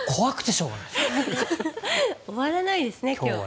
終わらないですね、今日。